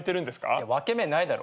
いや分け目ないだろ。